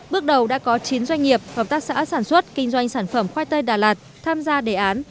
bước đầu đã có chín doanh nghiệp hợp tác xã sản xuất kinh doanh sản phẩm khoai tây đà lạt tham gia đề án